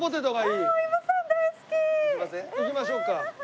行きましょうか。